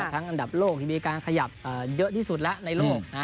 อันดับโลกที่มีการขยับเยอะที่สุดแล้วในโลก